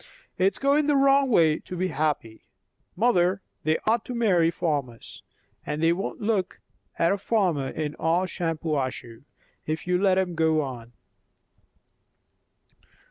It's going the wrong way to be happy. Mother, they ought to marry farmers; and they won't look at a farmer in all Shampuashuh, if you let 'em go on."